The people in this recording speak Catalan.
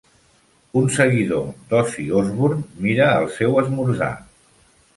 Un seguidor d'Ozzy Osbourne mira el seu esmorzar.